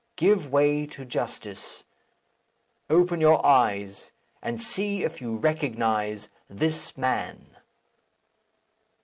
Give way to justice. Open your eyes, and see if you recognize this man!"